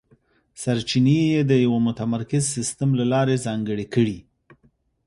سرچینې یې د یوه متمرکز سیستم له لارې ځانګړې کړې.